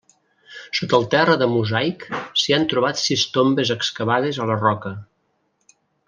Sota el terra de mosaic s'hi han trobat sis tombes excavades a la roca.